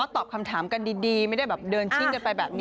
ตอบคำถามกันดีไม่ได้แบบเดินชิ่งกันไปแบบนี้